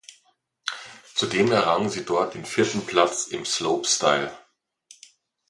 Zudem errang sie dort den vierten Platz im Slopestyle.